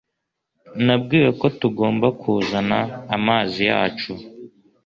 Nabwiwe ko tugomba kuzana amazi yacu